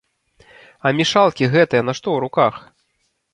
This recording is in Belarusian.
А мешалкі гэтыя нашто ў руках?